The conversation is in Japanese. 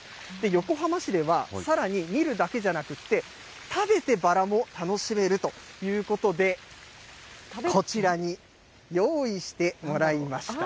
横浜市ではさらに、見るだけじゃなくって、食べてバラを楽しめるということで、こちらに用意してもらいました。